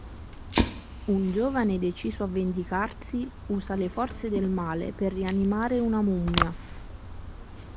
Un giovane deciso a vendicarsi usa le forze del male per rianimare una mummia.